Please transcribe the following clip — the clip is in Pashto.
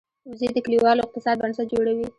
وزې د کلیوالو اقتصاد بنسټ جوړوي